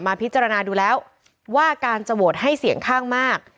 พิจารณาดูแล้วว่าการจะโหวตให้เสียงข้างมาก